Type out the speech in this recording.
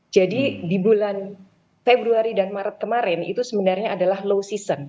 di bulan februari dan maret kemarin itu sebenarnya adalah low season